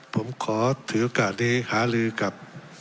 ผมขอถือโอกาสนี้หาลือกับ